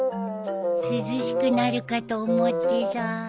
涼しくなるかと思ってさ。